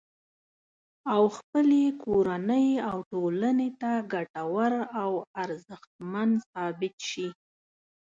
او خپلې کورنۍ او ټولنې ته ګټور او ارزښتمن ثابت شي